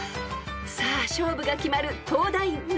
［さあ勝負が決まる東大ナゾトレ］